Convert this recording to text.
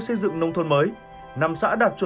xây dựng nông thôn mới năm xã đạt